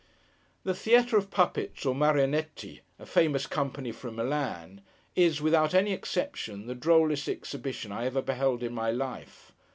The Theatre of Puppets, or Marionetti—a famous company from Milan—is, without any exception, the drollest exhibition I ever beheld in my life.